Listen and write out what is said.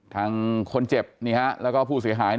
ทางคนเจ็บแล้วก็ผู้เสียหาย